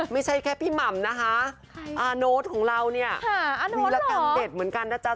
ไม่ใช่แค่พี่หม่ำนะคะอาโน้ตของเราเนี่ยวีรกรรมเด็ดเหมือนกันนะจ๊ะ